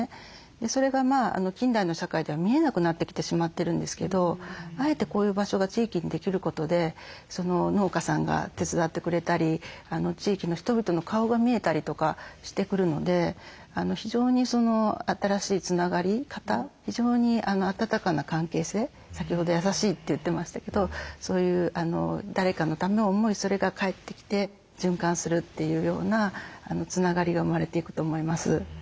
それが近代の社会では見えなくなってきてしまってるんですけどあえてこういう場所が地域にできることで農家さんが手伝ってくれたり地域の人々の顔が見えたりとかしてくるので非常に新しいつながり方非常に温かな関係性先ほど「優しい」って言ってましたけどそういう誰かのためを思いそれが返ってきて循環するというようなつながりが生まれていくと思います。